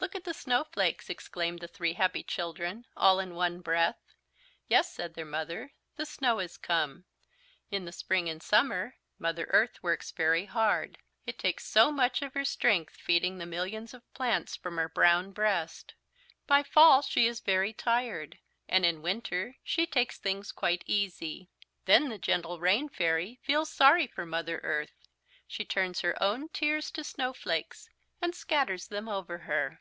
"Look at the snowflakes," exclaimed the three happy children, all in one breath. "Yes," said their Mother, "the snow has come. In the spring and summer Mother Earth works very hard. It takes so much of her strength, feeding the millions of plants from her brown breast. By fall she is very tired and in winter she takes things quite easy. "Then the gentle Rain Fairy feels sorry for Mother Earth. She turns her own tears to snow flakes, and scatters them over her.